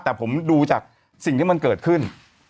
แต่ผมดูจากสิ่งที่มันเกิดขึ้น